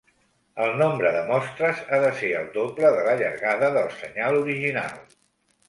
El nombre de mostres ha de ser el doble de la llargada del senyal original.